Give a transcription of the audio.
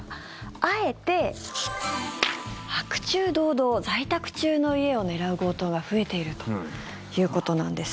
あえて白昼堂々在宅中の家を狙う強盗が増えているということなんです。